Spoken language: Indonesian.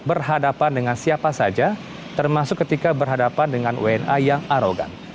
berhadapan dengan siapa saja termasuk ketika berhadapan dengan wna yang arogan